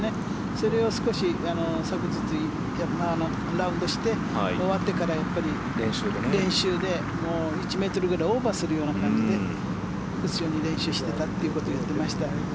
それを少し、昨日ラウンドして、終わってから練習で、１ｍぐらいオーバーするような感じで練習してましたと言ってました。